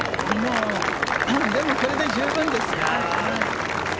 でもこれで十分です。